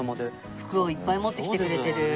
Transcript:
福をいっぱい持ってきてくれてる。